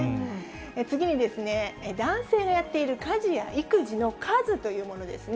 次に、男性のやっている家事や育児の数というものですね。